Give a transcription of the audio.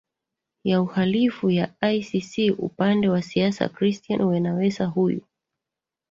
ya uhalifu ya icc upande wa siasa christian wenawesa huyu